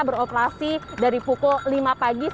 beroperasi dari pukul lima pagi sampai jam empat belas